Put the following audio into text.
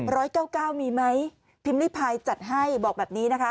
ร้อยเก้าเก้ามีไหมพิมพ์ริพายจัดให้บอกแบบนี้นะคะ